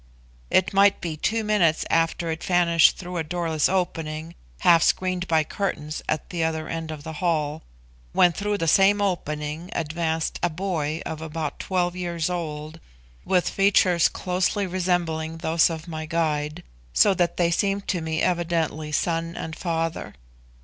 It might be two minutes after it vanished through a doorless opening, half screened by curtains at the other end of the hall, when through the same opening advanced a boy of about twelve years old, with features closely resembling those of my guide, so that they seemed to me evidently son and father.